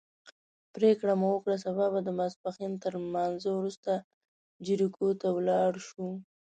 پرېکړه مو وکړه سبا به د ماسپښین تر لمانځه وروسته جریکو ته ولاړ شو.